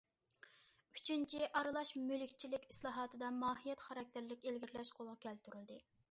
ئۈچىنچى، ئارىلاش مۈلۈكچىلىك ئىسلاھاتىدا ماھىيەت خاراكتېرلىك ئىلگىرىلەش قولغا كەلتۈرۈلدى.